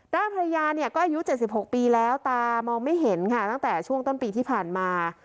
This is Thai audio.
ภรรยาเนี่ยก็อายุ๗๖ปีแล้วตามองไม่เห็นค่ะตั้งแต่ช่วงต้นปีที่ผ่านมา